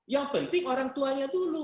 yang penting orang tuanya dulu